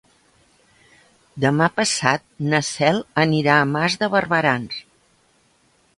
Demà passat na Cel anirà a Mas de Barberans.